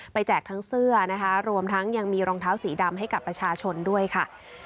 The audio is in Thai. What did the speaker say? แจกทั้งเสื้อนะคะรวมทั้งยังมีรองเท้าสีดำให้กับประชาชนด้วยค่ะ